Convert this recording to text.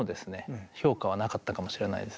評価はなかったかもしれないです。